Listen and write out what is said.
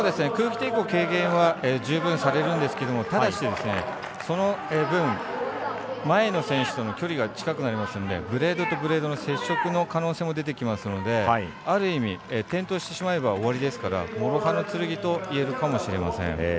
空気抵抗軽減は十分されるんですけどただし、その分前の選手との距離が近くなりますのでブレードとブレードの接触の可能性も出てきますのである意味、転倒してしまえば終わりですから両刃の剣といえるかもしれません。